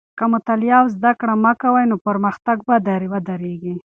که مطالعه او زده کړه مه کوې، نو پرمختګ به ودرېږي.